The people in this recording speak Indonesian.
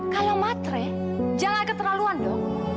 kalau matre jangan keterlaluan dong